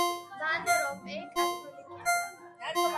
ვან რომპეი კათოლიკეა.